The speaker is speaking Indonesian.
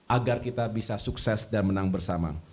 agar kita bisa sukses dan menang bersama